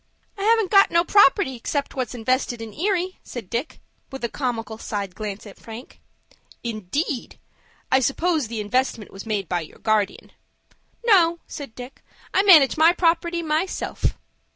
"I haven't got no property except what's invested in Erie," said Dick, with a comical side glance at Frank. "Indeed! I suppose the investment was made by your guardian." "No," said Dick; "I manage my property myself."